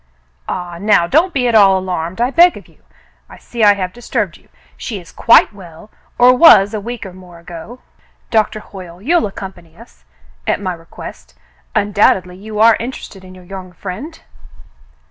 "Ah, now don't be at all alarmed, I beg of you. I see I have disturbed you. She is quite well, or was a week or more ago. Doctor 218 News from England 219 Hoyle, you'll accompany us ? At my request. Undoubt edly you are interested in your young friend."